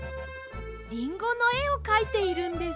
リンゴのえをかいているんです。